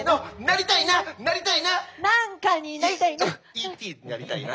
何かになりたいな！